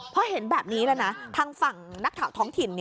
พอเห็นแบบนี้แล้วนะทางฝั่งนักข่าวท้องถิ่น